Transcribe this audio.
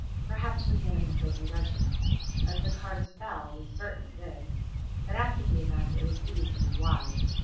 Perhaps we made a mistake in judgment. As the cards fell, we certainly did. But after the event it is easy to be wise.